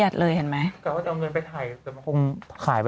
ฟังลูกครับ